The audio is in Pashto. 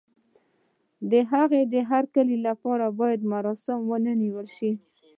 د هغه د هرکلي لپاره بايد مراسم ونه نيول شي.